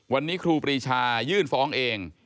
วันนี้ครูปรีชายื่นฟ้องเอง